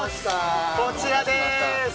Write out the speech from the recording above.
こちらです！